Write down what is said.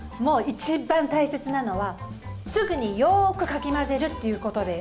いちばん大切なのはすぐによくかき混ぜるということです。